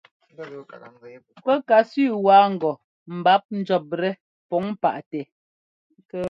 Pɛ́ ka sẅi waa ŋgɔ mbǎp njʉ̈ptɛ́ pǔŋ paʼtɛ́.